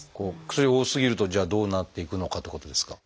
薬が多すぎるとじゃあどうなっていくのかってことですが。